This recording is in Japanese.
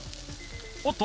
「おっと！